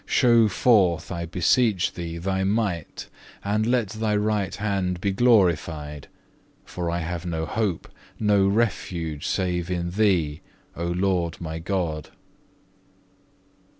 Show forth, I beseech Thee, Thy might, and let Thy right hand be glorified, for I have no hope, no refuge, save in Thee, O Lord my God.